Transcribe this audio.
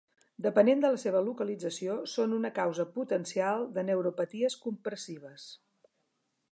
Depenent de la seva localització són una causa potencial de neuropaties compressives.